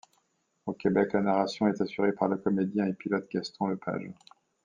Au Québec, la narration est assurée par le comédien et pilote Gaston Lepage.